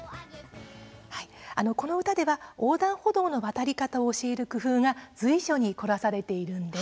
この歌では横断歩道の渡り方を教える工夫が随所に凝らされているんです。